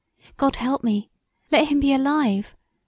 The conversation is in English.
God help me! Let him be alive!